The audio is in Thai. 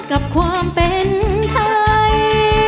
กับความเป็นไทย